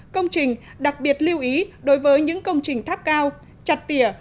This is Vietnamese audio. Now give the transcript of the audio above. công trình đặc biệt lưu ý đối với những công trình tháp cao chặt tỉa